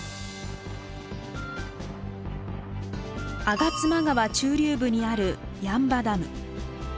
吾妻川中流部にある八ッ場ダム。